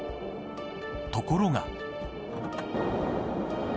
ところが。